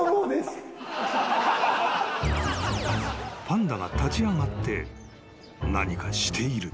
［パンダが立ち上がって何かしている］